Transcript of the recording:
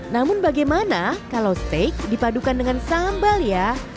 namun bagaimana kalau steak dipadukan dengan sambal ya